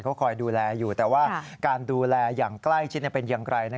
เขาคอยดูแลอยู่แต่ว่าการดูแลอย่างใกล้ชิดเป็นอย่างไร